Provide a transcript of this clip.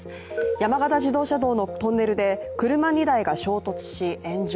山形自動車道のトンネルで車２台が衝突し、炎上。